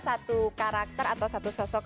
satu karakter atau satu sosok